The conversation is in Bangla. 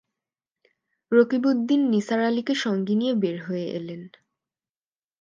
রকিবউদ্দিন নিসার আলিকে সঙ্গে নিয়ে বের হয়ে এলেন।